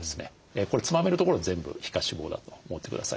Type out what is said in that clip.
これつまめるところは全部皮下脂肪だと思ってください。